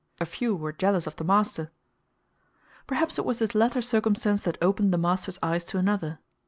A few were jealous of the master. Perhaps it was this latter circumstance that opened the master's eyes to another.